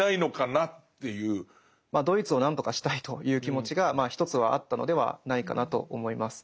まあドイツを何とかしたいという気持ちがまあ一つはあったのではないかなと思います。